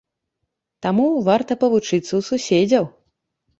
Таму варта павучыцца ў суседзяў.